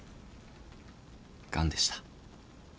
がんでした。